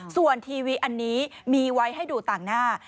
ส่วนทีวีอันนี้มีไว้ให้ดูต่างหน้า